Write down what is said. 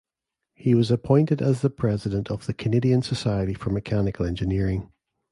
He was appointed as the President of the Canadian Society for Mechanical Engineering.